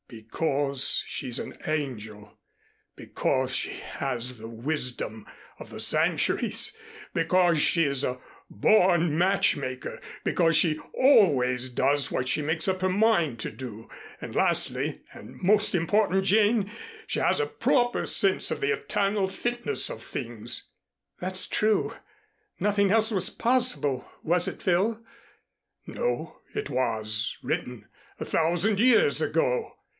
"Because she's an angel, because she has the wisdom of the centuries, because she is a born matchmaker, because she always does what she makes up her mind to do, and, lastly and most important, Jane, she has a proper sense of the eternal fitness of things." "That's true. Nothing else was possible, was it, Phil?" "No. It was written a thousand years ago."